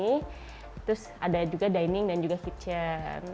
terus ada juga dining dan juga kitchen